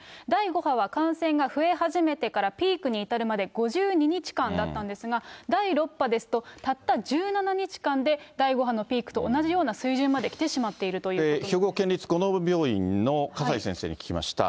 第５波は感染が増え始めてからピークに至るまで５２日間だったんですが、第６波ですと、たった１７日間で第５波のピークと同じような水準まで来てしまっているということなんです。